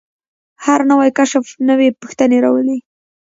هر نوی کشف نوې پوښتنې راولي.